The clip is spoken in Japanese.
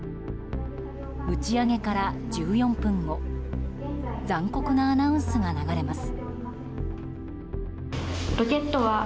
打ち上げから１４分後残酷なアナウンスが流れます。